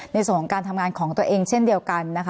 ในส่วนของการทำงานของตัวเองเช่นเดียวกันนะคะ